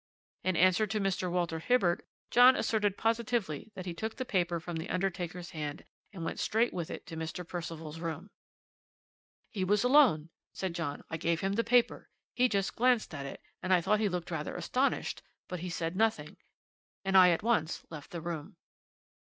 "In answer to Mr. Walter Hibbert, John asserted positively that he took the paper from the undertaker's hand and went straight with it to Mr. Percival's room. "'He was alone,' said John; 'I gave him the paper. He just glanced at it, and I thought he looked rather astonished, but he said nothing, and I at once left the room.'